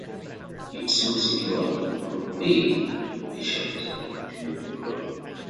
It soon secured improved pay and conditions and continued to grow.